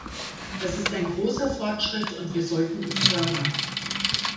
Das ist ein großer Fortschritt, und wir sollten ihn fördern.